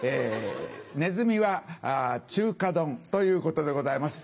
ネズミはチュ華丼ということでございます。